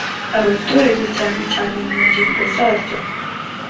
abaturage cyane cyane mu ngingo zaryo